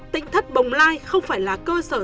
tỉnh thất bồng lai không phải là cơ sở